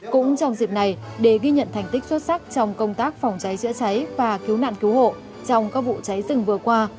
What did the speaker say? cũng trong dịp này để ghi nhận thành tích xuất sắc trong công tác phòng cháy chữa cháy và cứu nạn cứu hộ trong các vụ cháy rừng vừa qua